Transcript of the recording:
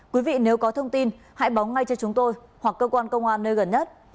quý vị nếu có thông tin hãy báo ngay cho chúng tôi hoặc cơ quan công an nơi gần nhất